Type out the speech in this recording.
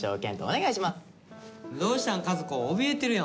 謙杜お願いします。